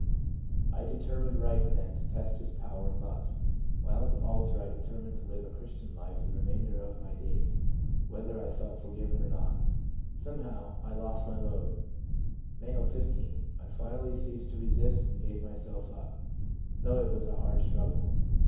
I determined right then to test His power and love ; while at the altar I determined to live a Christian life the remainder of my days, whether I felt forgiven or not Somehow, I lost my load/ M., 15. ' I finally ceased to resist, and gave myself up, though it was a hard struggle.